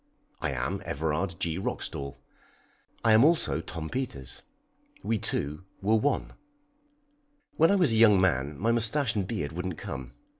I am Everard G. Roxdal. I am also Tom Peters. We two were one. When I was a young man my moustache and beard wouldn't come.